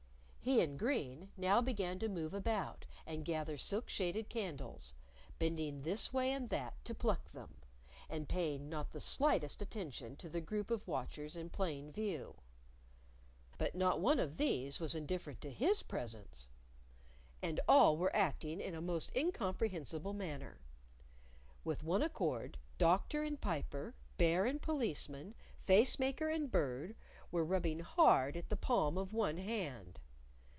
He in green now began to move about and gather silk shaded candles, bending this way and that to pluck them, and paying not the slightest attention to the group of watchers in plain view. But not one of these was indifferent to his presence. And all were acting in a most incomprehensible manner. With one accord, Doctor and Piper, Bear and Policeman, Face maker and Bird, were rubbing hard at the palm of one hand.